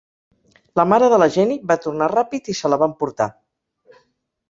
La mare de la Jenny va tornar ràpid i se la va emportar.